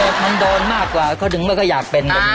ใช่มันโดนมากกว่าเขาดึงว่าเขาอยากเป็น